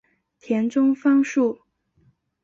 田中芳树。